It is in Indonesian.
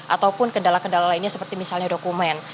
ataupun kendala kendala lainnya seperti misalnya dokumen